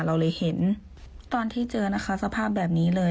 เราเลยเห็นตอนที่เจอนะคะสภาพแบบนี้เลย